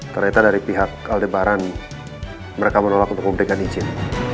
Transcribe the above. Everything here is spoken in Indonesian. ternyata dari pihak aldebaran mereka menolak untuk memberikan izin